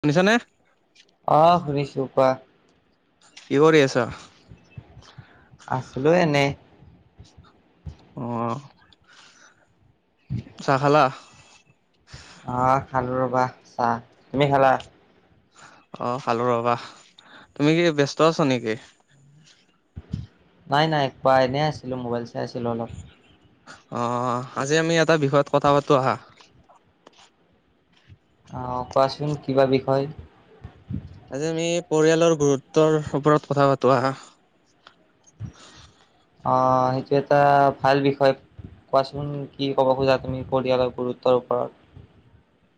শুনিছা নে আহ শুনিছোঁ কোৱা- কি কৰি আছোঁ আছিলো এনেই- অহ চাহ খালো। অহ খালো ৰবা চাহ তুমি খালা অ খালো ৰবা তুমি কি ব্যস্ত আছ নেকি? নাই নাই কোৱা এনেই আছিলো মোবাইল চাই আছিলো অলপ- অহ আজি আমি এটা বিষয়ত কথা পাতো আহা। অহ কোৱাচোন কি কিবা বিষয়- আজি আমি পৰিয়ালৰ গুৰুত্বৰ ওপৰত কথা পাতো আহা- অহ সেইটো এটা ভাল বিষয়- কোৱাচোন কি ক'ব খোজা তুমি পৰিয়ালৰ গুৰুত্বৰ ওপৰত- [unintelligible]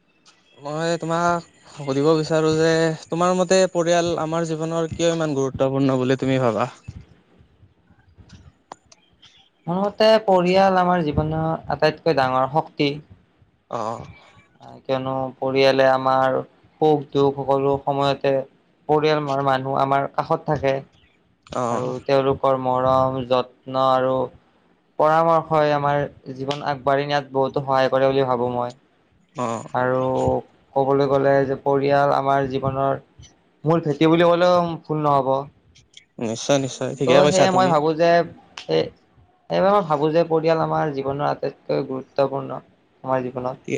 মই তোমাক সুধিব বিচাৰো যে তোমাৰ মতে পৰিয়াল আমাৰ জীৱনৰ কিয় মান। গুৰুত্বপূৰ্ণ বুলি তুমি ভাবা- সিহঁতে পৰিয়াল আমাৰ জীৱনৰ আটাইতকৈ ডাঙৰ অ শক্তি- কিয়নো। পৰিয়ালে আমাৰ সুখ দুখ সকলো সময়তে- পৰিয়াল মানুহ আমাৰ কাষত থাকে- অ আৰু তেওঁলোকৰ মৰম যত্ন আৰু পৰামৰ্শই আমাৰ জীৱন আগবাঢ়ি নিয়াত বহুতো সহায় কৰে বুলি ভাবো মই- অ আৰু ক'বলৈ গ'লে যে পৰিয়াল আমাৰ জীৱনৰ- মূল ভেটি বুলি ক'লেও ভুল নহব। নিশ্চয় নিশ্চয় ঠিকে ত' কৈছা সেয়ে তুমি- এইবাৰ মই ভাবোঁ যে পৰিয়াল আমাৰ জীৱনৰ আটাইতকৈ গুৰুত্বপূৰ্ণ আমাৰ জীৱনত-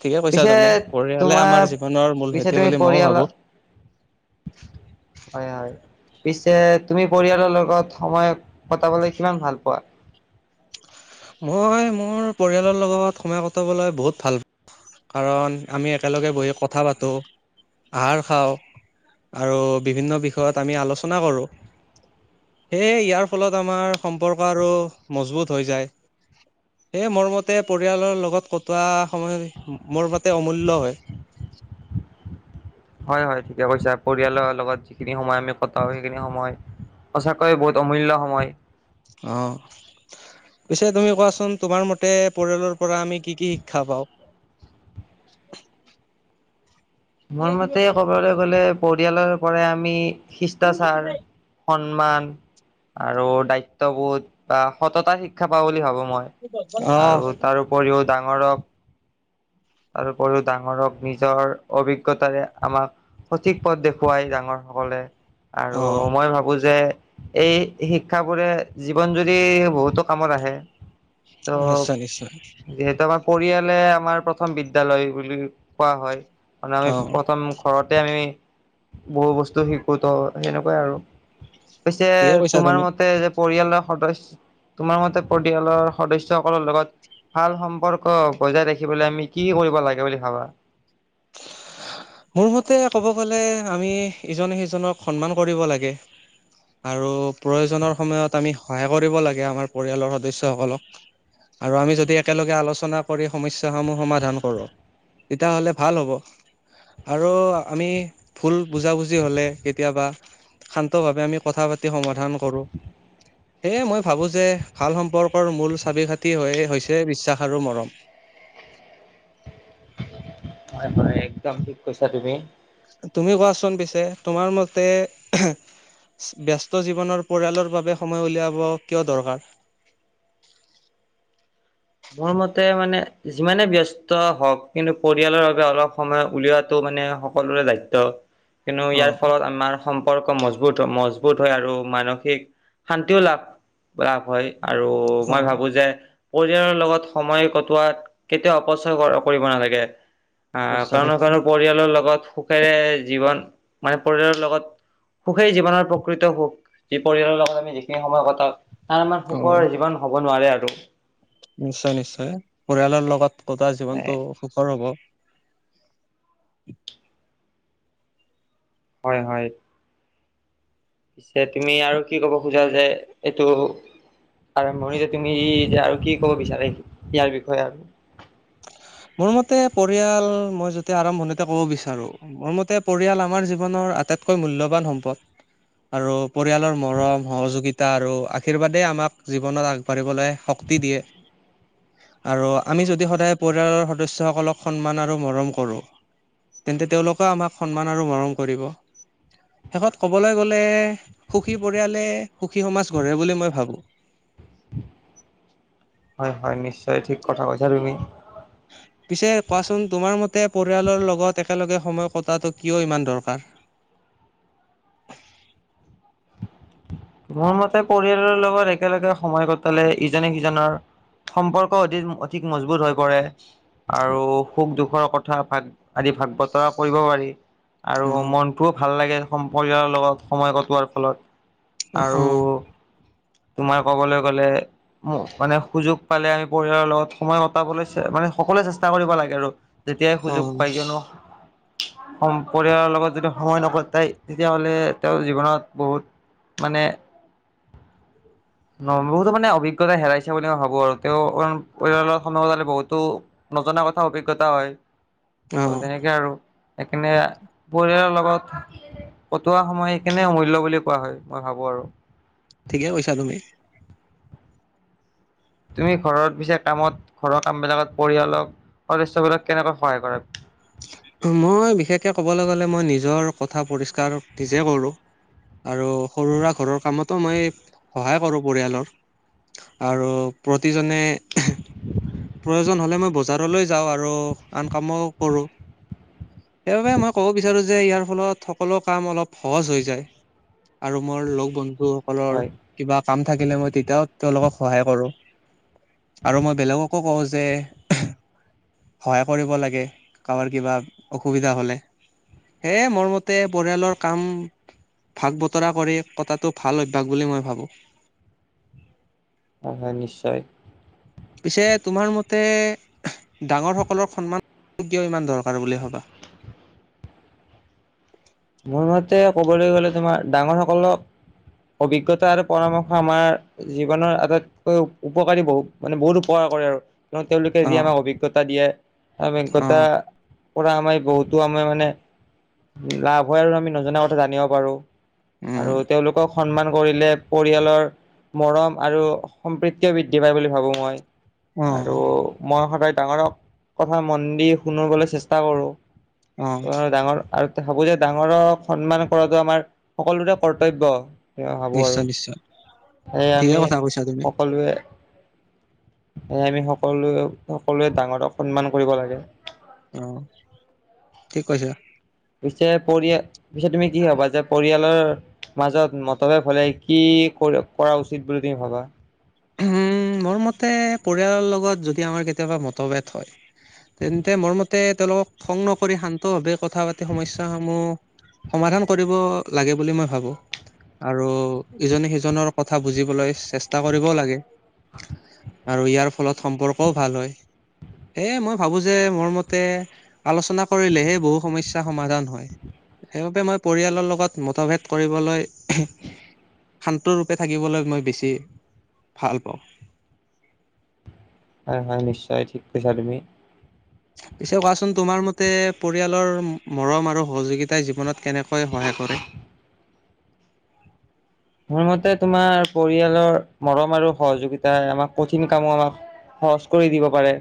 ঠিকে কৈছা পিছে তুমি পৰিয়ালে আমাৰ তোমাৰ জীৱনৰ মূল পিছে ভেটি তুমি বুলি মইও ভাবো পৰিয়ালত- হয় হয়। পিছে তুমি পৰিয়ালৰ লগত সময় কটাবলৈ কিমান ভাল পোৱা। মই মোৰ পৰিয়ালৰ লগত সময় কটাবলৈ বহুত ভাল পাওঁ। কাৰণ আমি একেলগে বহি কথা পাতো আহাৰ খাওঁ। আৰু বিভিন্ন বিষয়ত আমি আলোচনা কৰো- সেয়ে ইয়াৰ ফলত আমাৰ সম্পৰ্ক আৰু মজবুত হৈ যায়। সেয়ে মোৰ মতে পৰিয়ালৰ লগত কটোৱা সময় মোৰ মতে অমূল্য হয়। [inaudible] হয় হয় ঠিকে কৈছা পৰিয়ালৰ লগত যিখিনি সময় আমি কটাও সেইখিনি সময়। সঁচাকৈয়ে বহুত অমূল্য সময় অ পিছে তুমি কোৱাচোন তোমাৰ মতে পৰিয়ালৰ- পৰা আমি কি কি শিক্ষা পাওঁ- মোৰ মতে ক'বলৈ গ'লে পৰিয়ালৰ পৰা আমি শিষ্টাচাৰ স- সন্মান আৰু দায়িত্ববোধ বা সততা শিক্ষা পাওঁ বুলি ভাবো- মই অ', আৰু তাৰপৰিও ডাঙৰক- তাৰ উপৰিও ডাঙৰক নিজৰ অভিজ্ঞতাৰে আমাক- সঠিক পথ দেখুৱাই ডাঙৰ সকলে আৰু অ', মই ভাবো যে। এই শিক্ষাবোৰে জীৱন জুৰি বহুতো কামত আহে ত নিশ্চয় নিশ্চয় যিহেতু আমাৰ পৰিয়ালে আমাৰ প্ৰথম বিদ্যালয় বুলি কোৱা হয় মানে আমি অ', প্ৰথম ঘৰত তাতে আমি বহু বস্তু শিকো ত সেনেকোৱাই আৰু পিছে ঠিকে কৈছা তোমাৰ তুমি। মতে যে পৰিয়ালৰ সদস্য তোমাৰ মতে পৰিয়ালৰ সদস্য সকলৰ লগত ভাল সম্পৰ্ক বজাই ৰাখিবলৈ আমি কি কৰিব লাগে বুলি ভাবা [unintelligible] [inaudible] মোৰ মতে ক'ব গলে আমি ইজনে সিজনক সন্মান কৰিব লাগে আৰু প্ৰয়োজনৰ সময়ত আমি সহায় কৰিব লাগে আমাৰ পৰিয়ালৰ সদস্যসকলক আৰু আমি যদি একেলগে আলোচনা কৰি সমস্যা সমূহ সমাধান কৰো তেতিয়াহ'লে ভাল হ'ব আৰু আমি ভুল বুজাবুজি হ'লে কেতিয়াবা শান্ত ভাৱে আমি কথা পাতি সমাধান কৰো সেয়ে মই ভাবো যে ভাল সম্পৰ্কৰ মূল চাবি কাঠি হৈ হৈছে বিশ্বাস আৰু মৰম [unintelligible] [inaudible] হয় হয় একদম ঠিক কৈছা তুমি তুমি কোৱাচোন পিছে তোমাৰ মতে ব্যস্ত জীৱনৰ পৰিয়ালৰ বাবে সময় উলিয়াব কিয় দৰকাৰ [unintelligible] [inaudible] মোৰ মতে মানে যিমানে ব্যস্ত হওক কিন্তু পৰিয়ালৰ বাবে অলপ সময় উলিওৱাতটো মানে সকলোৰে দায়িত্ব কিন্তু ইয়াৰ অ', ফলত আমাৰ সম্পৰ্ক মজবুত মজবুত হয় আৰু মানসিক শান্তিও লাভ লাভ হয় আৰু মই অ', ভাবো যে ৰ লগত সময় কটোৱাত কেতিয়াও অপচয় কৰিব নালাগে আহ নিশ্চয় কণো নিশ্চয় কাৰনো পৰিয়ালৰ লগত সুখেৰে জীৱন মানে পৰিয়ালৰ লগত সুখেই জীৱনৰ প্ৰকৃত সুখ যি পৰিয়ালৰ লগত আমি যিখিনি সময় কথা তাৰ আমাৰ অ'। সুখৰ জীৱন হ'ব নোৱাৰে আৰু নিশ্চয় নিশ্চয় পৰিয়ালৰ লগত কতোৱা জীৱনটো সুখৰ হব হয় হয় পিছে তুমি আৰু কি ক'ব খোজা যে এইটো আৰম্ভণিতে তুমি এতিয়া আৰু কি ক'ব বিচাৰে ইয়াৰ বিষয়ে আৰু [unintelligible] [inaudible] মোৰ মতে পৰিয়াল মই যদি আৰম্ভণিতে ক'ব, বিচাৰো মোৰ মতে পৰিয়াল আমাৰ জীৱনৰ। আটাইতকৈ মূল্যবান সম্পদ। আৰু পৰিয়ালৰ মৰম সহযোগিতা আৰু আশীৰ্বাদে আমাক জীৱনত আগবাঢ়িবলৈ হক। শক্তি দিয়ে আৰু আমি যদি সদায়। পৰিয়ালৰ সদস্যসকলক সন্মান আৰু মৰম কৰোঁ। তেন্তে তেওঁলোকে আমাক সন্মান আৰু মৰম কৰিব। শেষত কবলৈ গলে সুখী পৰিয়ালে সুখী সমাজ গঢ়ে বুলি মই ভাবো। [unintelligible] [inaudible] হয়, হয় নিশ্চয় ঠিক কথা কৈছা তুমি। উ পিছে কোৱাচোন তোমাৰ মতে পৰিয়ালৰ লগত একেলগে সময় কটাটো কিয় ইমান দৰকাৰ। [inaudible] মোৰ মতে পৰিয়ালৰ লগত একেলগে সময় কটালে ইজনে সিজনৰ। সম্পৰ্ক অধিৰ অধিক মজবুত হৈ পৰে। আৰু সুখ দুখৰ কথা ভাগ আদি ভাগ বতৰা কৰিব পাৰি। আৰু অ', মনটোও ভাল লাগে হম পৰিয়ালৰ লগত সময় কটোৱাৰ ফলত। আৰু অ', তোমাৰ কবলৈ গলে মানে সুযোগ পালে পৰিয়ালৰ লগত সময় কটাব চেবাত। সকলোৱে চেষ্টা কৰিব লাগে আৰু যেতিয়াই সুযোগ অ', পায় কিয়নো। হম পৰিয়ালৰ লগত যদি সময় নকটাই তেতিয়াহ'লে তেওঁৰ জীৱনত বহুত। মানে [inaudible] ন বহুতো মানে অভিজ্ঞতা হেৰাইছে বুলি মই ভাবো আৰু তেওঁ পৰিয়ালৰ সময়ালে বহুতো ন নজনা কথা অভিজ্ঞতা হয় ত অ', তেনেকে আৰু। সেইকাৰণে পৰিয়ালৰ লগত কটোৱা সময় সেইকাৰণে অমূল্য বুলি কোৱা হয়। মই ভাবোঁ আৰু। ঠিকে কৈছা তুমি। তুমি ঘৰত পিছে কামত ঘৰৰ কাম বিলাকত পৰিয়ালক। সদস্যবিলাক কেনেকৈ সহায় কৰে। মই বিশেষকে কবলৈ গলে মই নিজৰ কথা পৰিষ্কাৰ নিজে কৰো। আৰু সৰু সুৰা ঘৰৰ কামত। তো মই সহায় কৰোঁ পৰিয়ালৰ আৰু প্ৰতিজনে। [inaudible] প্ৰয়োজন হলে মই বজাৰলৈ যাওঁ, আৰু আন কামো কৰো। সেইবাবে মই ক'ব বিচাৰো যে ইয়াৰ ফলত সকলো কাম অলপ সহজ হৈ যায়। আৰু মোৰ লগ বন্ধু সকলৰ হয় কিবা কাম থাকিলে মই তেতিয়াও তেওঁলোকক। সহায় কৰো আৰু মই বেলেগকো কওঁ যে। সহায় কৰিব লাগে কাৰোবাৰ কিবা অসুবিধা হলে। হে মোৰ মতে পৰিয়ালৰ কাম। ভাগ বতৰা কৰি কতটো ভাল অভ্যাস বুলি মই ভাবোঁ। অ হয়, নিশ্চয়, পিছে তোমাৰ মতে ডাঙৰ সকলৰ সন্মান। কিয় ইমান দৰকাৰ বুলি ভবা। মোৰ মতে ক'বলৈ গ'লে তোমাৰ ডাঙৰ সকলক অভিজ্ঞতা আৰু পৰামৰ্শ আমাৰ জীৱনৰ আটাইতকৈ উপকাৰী বহুত মানে বহুত উপকাৰ। কৰে আৰু তেওঁলোকে অ যি আমাক অভিজ্ঞতা দিয়ে অ অভিজ্ঞতা পৰা আমাৰ বহুতো আমাৰ মানে লাভ হয়। আৰু আমি নজনা কথা জানিব পাৰো। উম আৰু তেওঁলোকক সন্মান কৰিলে। পৰিয়ালৰ মৰম আৰু সম্প্ৰীতিও বৃদ্ধি পায় বুলি ভাবোঁ মই। অ আৰু মই সদায় ডাঙৰক কথা মন দি শুনিবলৈ চেষ্টা কৰোঁ। অ ত ডাঙৰ আৰু খাব যে। [unintelligible] ডাঙৰক সন্মান কৰাটো আমাৰ সকলোৰে কৰ্তব্য। সেয়া ভাবোঁ আৰু। নিশ্চয় নিশ্চয় সেয়ে ঠিকে আমি কথা কৈছা তুমি সকলোৱে, আমি সকলোৱে সকলোৱে ডাঙৰক সন্মান কৰিব লাগে। অ ঠিক কৈছা। পিছে পৰিয় পিছে তুমি কি ভাবা যে, পৰিয়ালৰ মাজত মতভেদ হলে কি। কি কৰা উচিত বুলি তুমি ভাবা? উম, মোৰ মতে পৰিয়ালৰ লগত যদি আমাৰ কেতিয়াবা মতভেদ হয়। তেন্তে মোৰ মতে তেওঁলোকক খং নকৰি শান্ত ভাৱে কথা পাতি সমস্যা সমূহ। সমাধান কৰিব লাগে বুলি মই ভাবো। আৰু ইজনে সিজনৰ কথা বুজিবলৈ চেষ্টা কৰিবও লাগে। আৰু ইয়াৰ ফলত সম্পৰ্কও ভাল হয়। সেয়ে মই ভাবো যে, মোৰ মতে আলোচনা কৰিলেহে বহু সমস্যা সমাধান হয়। সেইবাবে মই পৰিয়ালৰ লগত মতভেদ কৰিবলৈ। শান্ত ৰূপে থাকিবলৈ মই বেছি ভাল পাওঁ। হয় হয়, নিশ্চয় ঠিক কৈছা তুমি। পিছে কোৱাচোন তোমাৰ মতে, পৰিয়ালৰ মৰম আৰু সহযোগিতাই জীৱনত। কেনেকৈ সহায় কৰে? মোৰ মতে তোমাৰ পৰিয়ালৰ মৰম আৰু সহযোগিতাই আমাক কঠিন কামো আমাক। সহজ কৰি দিব পাৰে।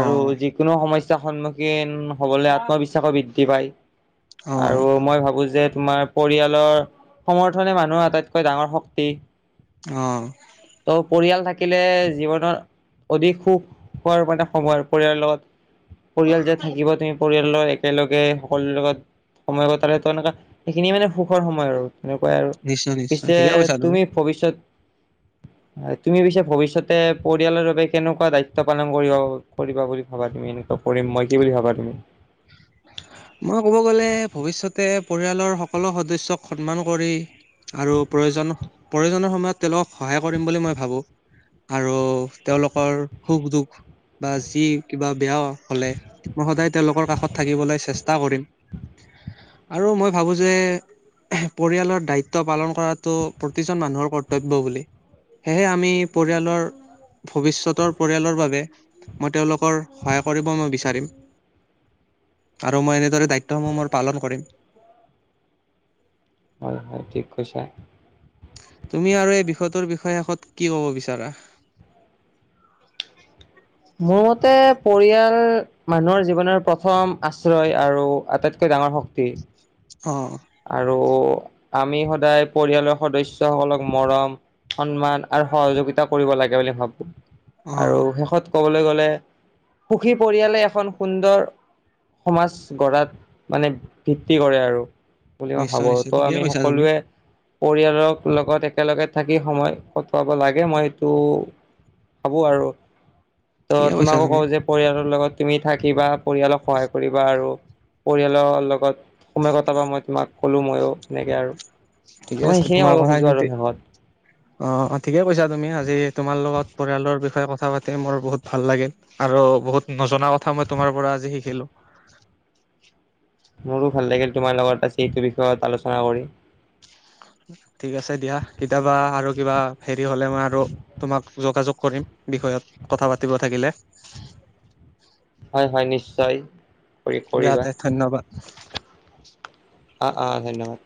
অ যিকোনো সমস্যাৰ সন্মুখীন হবলৈ আত্মবিশ্বাসো বৃদ্ধি পায়। অ আৰু মই ভাবো যে, তোমাৰ পৰিয়ালৰ সমৰ্থনে মানুহ আ। আটাইতকৈ ডাঙৰ শক্তি। অ ত' পৰিয়াল থাকিলে জীৱনৰ। অধিক সুখ হোৱাৰ সময় পৰিয়ালৰ লগত পৰিয়াল যে থাকিব তুমি পৰিয়াল। একেলগে সকলোৰে লগত সময় তো এনেকুৱা সেইখিনিয়ে মানে সুখৰ সময় আৰু। নিশ্চয় নিশ্চয়। যে ঠিকে কৈছা তুমি ভৱিষ্যত। তুমি পিছে ভৱিষ্যতে পৰিয়ালৰ বাবে কেনেকুৱা দায়িত্ব পালন কৰিব কৰিবা বুলি ভাবা। তুমি এনেকুৱা কৰিম মই কি বুলি ভাবা তুমি? মই ক'ব গলে ভৱিষ্যতে পৰিয়ালৰ সকলো সদস্যক সন্মান কৰি আৰু প্ৰয়োজন, প্ৰয়োজনৰ সময়ত তেওঁলোক সহায় কৰিম বুলি মই ভাবোঁ। আৰু তেওঁলোকৰ সুখ দুখ। বা যি কিবা বেয়া হলে, মই সদায় তেওঁলোকৰ কাষত। থাকিবলৈ চেষ্টা কৰিম আৰু মই ভাবোঁ যে। পৰিয়ালৰ দায়িত্ব পালন কৰাটো প্ৰতিজন মানুহৰ কৰ্তব্য বুলি। সেয়েহে আমি পৰিয়ালৰ। ভৱিষ্যতৰ পৰিয়ালৰ বাবে, মই তেওঁলোকৰ সহায় কৰিব মই বিচাৰিম। আৰু মই এনেদৰে দায়িত্বসমূহ মোৰ পালন কৰিম। হয় হয়, ঠিক কৈছা। তুমি আৰু এই বিষয়টোৰ বিষয়ে শেষত কি ক'ব বিচাৰা? [unintelligible] মোৰ মতে পৰিয়াল মানুহৰ জীৱনৰ প্ৰথম আশ্ৰয় আৰু আটাইতকৈ ডাঙৰ শ। [unintelligible] অ আৰু আমি সদায় পৰিয়ালৰ সদস্যসকলক মৰম। সন্মান আৰু সহযোগিতা কৰিব লাগে বুলি ভাবো। অ আৰু শেষত কবলৈ গলে। সুখী পৰিয়ালে এখন সুন্দৰ। সমাজ গঢ়াত মানে ভিত্তি কৰে আৰু। বুলি মই নিশ্চয় ভাবো নিশ্চয় ত' ঠিকে আমি কৈছা তুমি সকলোৱে। পৰিয়ালৰ লগত একেলগে থাকি সময় কটোৱাব লাগে মই এইটো পাব আৰু ত ঠিকে কৈছা তোমাকো তুমি কওঁ যে পৰিয়ালৰ লগত তুমি থাকিবা পৰিয়ালক সহায় কৰিবা আৰু পৰিয়ালৰ লগত সমে কটাব মই তোমাক ক'লো ময়ো সেনেকে আৰু ঠিকে তমই আছে সেইখিনিয়ে তোমাৰ ক'ব কথা খোজোঁ আৰু কিন্তু শেষত অ অ ঠিকে কৈছা তুমি আজি তোমাৰ লগত পৰিয়ালৰ বিষয়ে কথা পাতি মোৰ বহুত ভাল লাগিল আৰু আৰু বহুত নজনা কথা মই তোমাৰ পৰা আজি শিকিলো মোৰো ভাল লাগিল তোমাৰ লগত আছে এইটো বিষয়ত আলোচনা কৰি ঠিক আছে দিয়া কেতিয়াবা আৰু কিবা হেৰি হলে মই আৰু তোমাক যোগাযোগ কৰিম বিষয়ত কথা পাতিব থাকিলে। হয় হয় নিশ্চয় কৰি কৰিবা গতে ধন্যবাদ অ অ ধন্যবাদ